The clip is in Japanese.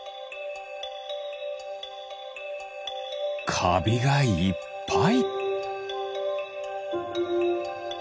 かびがいっぱい。